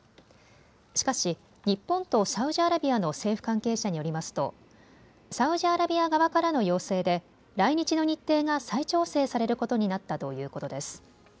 しかし日本とサウジアラビアの政府関係者によりますとサウジアラビア側からの要請で来日の日程が再調整されることになったということです。